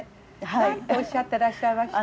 何とおっしゃってらっしゃいました？